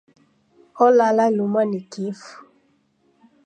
Olala lumwa ni kifu.